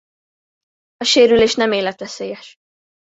A sérülés nem életveszélyes.